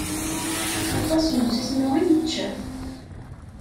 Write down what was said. Aṭas n usisnu i nečča.